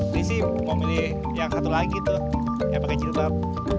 ini sih mau milih yang satu lagi tuh yang pakai jilbab